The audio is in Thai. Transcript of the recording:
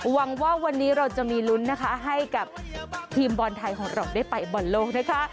หวังว่าวันนี้เราจะมีลุ้นนะคะให้กับทีมบอลไทยของเราได้ไปบอลโลกนะคะ